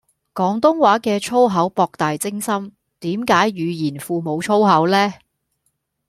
廣東話嘅粗口博大精深，點解語言庫無粗口呢